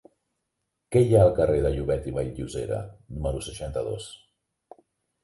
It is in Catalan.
Què hi ha al carrer de Llobet i Vall-llosera número seixanta-dos?